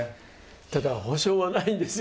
ただ保証はないんですよ